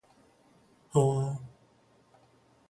ふーん